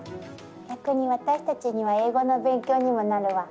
逆に私たちには英語の勉強にもなるわ。